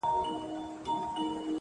د عمل دوام د استعداد نه مهم دی،